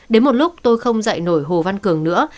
đến một lúc tôi không dạy nổi hồ văn cường nữa